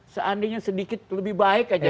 seandainya sedikit lebih baik aja